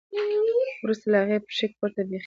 ورورسته له هغې پېښې کور ته بېخي